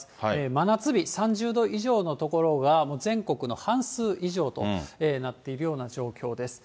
真夏日、３０度以上の所がもう全国の半数以上となっているような状況です。